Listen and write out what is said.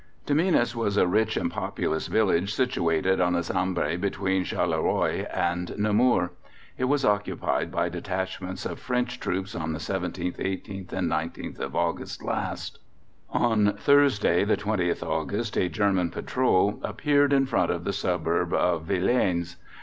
Tamines was a rich and populous village situated on the Sambre between Charleroi and Namur. It was occupied by detachments of French troops on the 17th, 18th and 19th of August last. On Thursday, the 20th August, a German patrol appeared in front of the suburb of Vilaines.